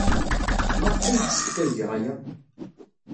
Maɣef ay yessefk ad geɣ aya?